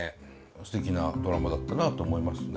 すてきなドラマだったなと思いますね。